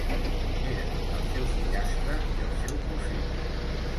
Era el seu fillastre i el seu cosí.